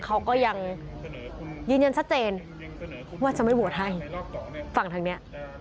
เขาก็ยังยืนยันชัดเจนว่าจะไม่โหวตให้ฝั่งทางเนี้ย